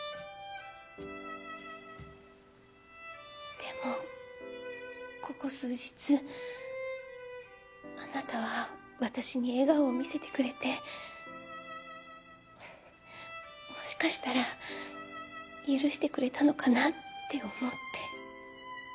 でもここ数日あなたは私に笑顔を見せてくれてもしかしたら許してくれたのかなって思って。